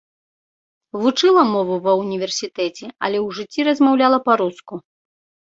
Вучыла мову ва ўніверсітэце, але ў жыцці размаўляла па-руску.